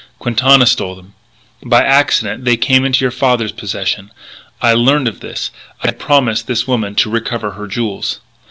Quintana stole them. By accident they came into your father's possession. I learned of this. I had promised this woman to recover her jewels.